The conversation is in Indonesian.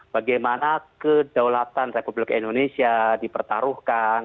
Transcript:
bagaimana kedaulatan republik indonesia dipertaruhkan